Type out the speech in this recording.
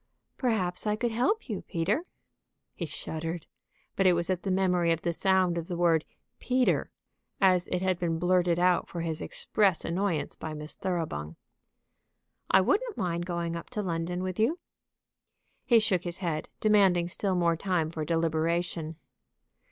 "Perhaps I could help you, Peter." He shuddered; but it was at the memory of the sound of the word "Peter," as it had been blurted out for his express annoyance by Miss Thoroughbung. "I wouldn't mind going up to London with you." He shook his head, demanding still more time for deliberation.